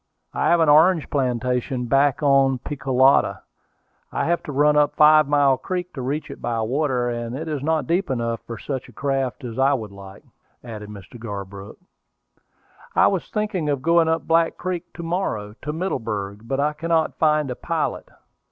I have an orange plantation back of Picolata; I have to run up Five Mile Creek to reach it by water; and it is not deep enough for such a craft as I would like," added Mr. Garbrook. "I was thinking of going up Black Creek to morrow, to Middleburg; but I cannot find a pilot.